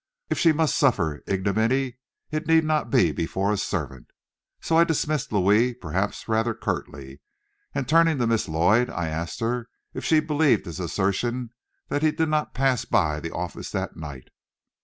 If she must suffer ignominy it need not be before a servant. So I dismissed Louis, perhaps rather curtly, and turning to Miss Lloyd, I asked her if she believed his assertion that he did not pass by the office that night.